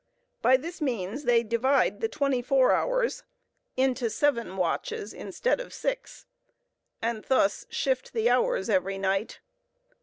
By this means they divide the twenty four hours into seven watches instead of six, and thus shift the hours every night.